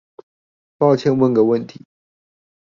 抱歉問個問題